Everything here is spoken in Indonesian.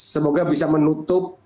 semoga bisa menutup